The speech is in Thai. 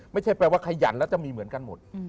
ไม่ใช่แปลว่าขยันแล้วจะมีเหมือนกันหมด